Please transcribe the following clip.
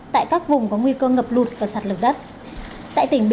tại các vùng có nguy cơ ngập lụt và sạt lở đất